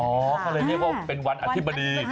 เขาเลยเรียกว่าเป็นวันอธิบดี